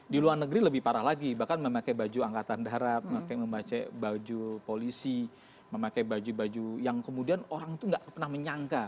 di luar negeri lebih parah lagi bahkan memakai baju angkatan darat memakai baju polisi memakai baju baju yang kemudian orang itu nggak pernah menyangka